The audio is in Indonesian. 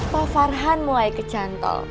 pak farhan mulai kecantol